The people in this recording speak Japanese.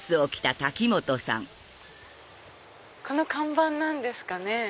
この看板何ですかね？